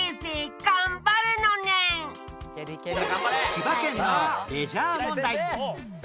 千葉県のレジャー問題